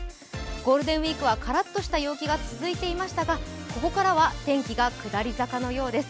ゴールデンウイークはカラッとした陽気が続いていましたが、ここからは天気が下り坂のようです。